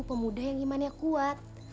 pemuda yang imannya kuat